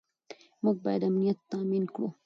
موږ باید امنیت تامین کړو.